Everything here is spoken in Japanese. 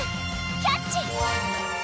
キャッチ！